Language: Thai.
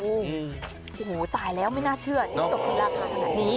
อูหูตายแล้วไม่น่าเชื่อจิ้งจกธิราภาษณะนี้